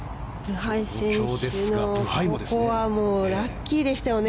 ブハイ選手はラッキーでしたよね